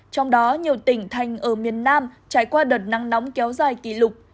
trong đó nhiều tỉnh thành ở miền nam trải qua đợt nắng nóng kéo dài kỷ lục